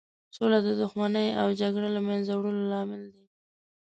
سوله د دښمنۍ او جنګ له مینځه وړلو لامل دی.